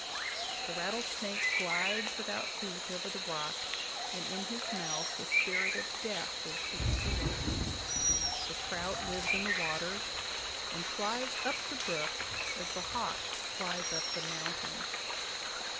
The rattlesnake glides without feet over the rocks, and in his mouth the spirit of death is con cealed. The trout lives in the water, and flies up the brook as the hawk flies up the mountain.